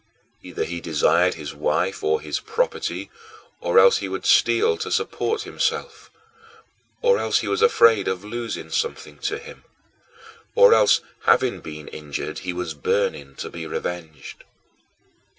Either he desired his wife or his property or else he would steal to support himself; or else he was afraid of losing something to him; or else, having been injured, he was burning to be revenged.